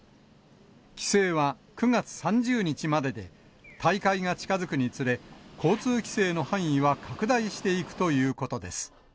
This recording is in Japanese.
規制は９月３０日までで、大会が近づくにつれ、交通規制の範囲は拡大していくということです。